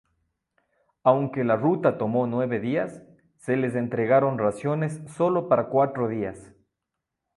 Aunque la ruta tomó nueve días, se les entregaron raciones sólo para cuatro días.